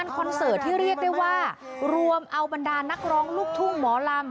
คอนเสิร์ตที่เรียกได้ว่ารวมเอาบรรดานักร้องลูกทุ่งหมอลำ